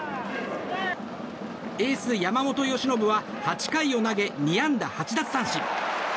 エース、山本由伸は８回を投げ２安打８奪三振。